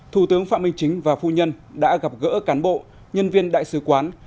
thủ tướng phạm minh chính và phu nhân đã gặp gỡ cán bộ nhân viên đại sứ quán